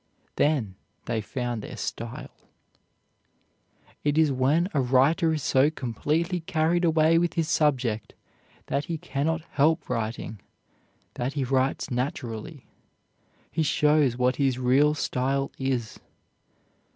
Then they found their style. It is when a writer is so completely carried away with his subject that he cannot help writing, that he writes naturally. He shows what his real style is.